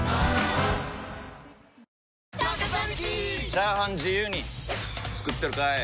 チャーハン自由に作ってるかい！？